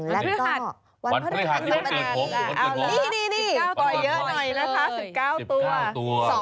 แล้วก็วันพฤหัส๑๙ตัวเยอะหน่อยนะคะ๑๙ตัว